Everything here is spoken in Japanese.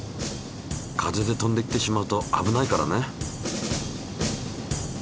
風で飛んでいってしまうと危ないからね。